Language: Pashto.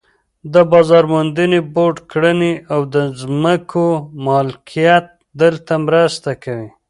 د بازار موندنې بورډ کړنې او د ځمکو مالکیت دلته مرسته کوي.